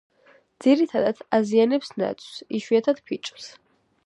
ძირითადად აზიანებს ნაძვს, იშვიათად ფიჭვს.